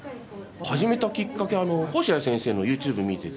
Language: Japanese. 始めたきっかけは星合先生のＹｏｕＴｕｂｅ見てて。